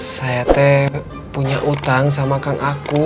saya teh punya utang sama kang aku